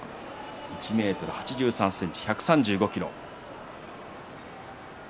１８３ｃｍ、１３５ｋｇ。